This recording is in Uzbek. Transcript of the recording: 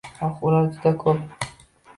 Oh, ular juda ko’p